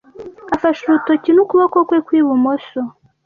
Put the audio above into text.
Afashe urutoki n'ukuboko kwe kw'ibumoso.